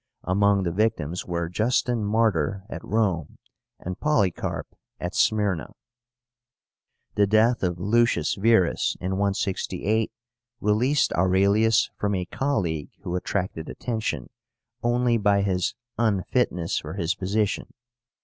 Among the victims were Justin Martyr at Rome, and Polycarp at Smyrna. The death of Lucius Verus in 168 released Aurelius from a colleague who attracted attention only by his unfitness for his position.